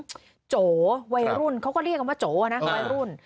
หือโจไวรุ่นเขาก็เรียกมันว่าโจนะไวรุ่น